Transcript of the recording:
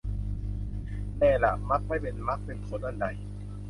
แน่ล่ะมักไม่เป็นมรรคเป็นผลอันใด